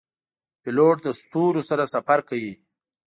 پیلوټ له ستورو سره سفر کوي.